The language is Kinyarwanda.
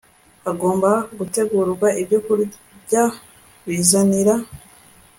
Hagomba gutegurwa ibyokurya bizanira